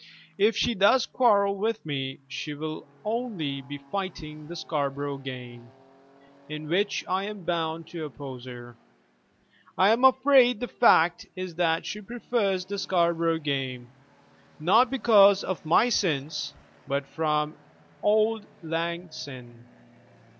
If she does quarrel with me, she will only be fighting the Scarborough game, in which I am bound to oppose her. I am afraid the fact is that she prefers the Scarborough game, not because of my sins, but from auld lang syne.